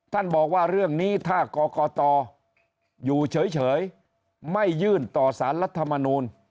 บอกว่าเรื่องนี้ถ้ากรกตอยู่เฉยไม่ยื่นต่อสารรัฐมนูล